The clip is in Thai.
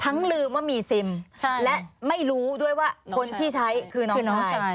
ลืมว่ามีซิมและไม่รู้ด้วยว่าคนที่ใช้คือน้องชาย